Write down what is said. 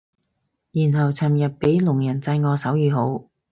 然後尋日俾聾人讚我手語好